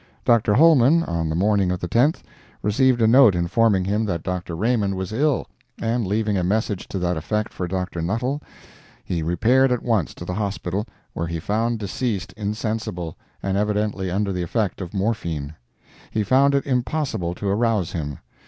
Dr. Holman, on the morning of the 10th, received a note informing him that Dr. Raymond was ill, and leaving a message to that effect for Dr. Nuttall, he repaired at once to the Hospital, where he found deceased insensible, and evidently under the effect of morphine. He found it impossible to arouse him.